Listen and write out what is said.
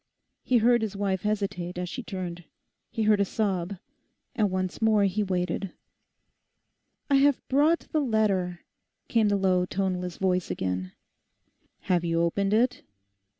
He heard his wife hesitate as she turned. He heard a sob. And once more he waited. 'I have brought the letter,' came the low toneless voice again. 'Have you opened it?